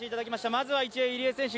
まずは１泳、入江選手